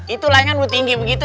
itu layangnya udah tinggi begitu